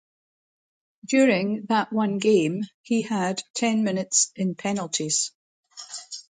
During that one game, he had ten minutes in penalties.